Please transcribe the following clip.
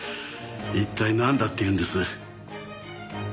一体なんだっていうんです？